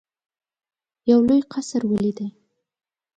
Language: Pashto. یو لوی قصر ولیدی.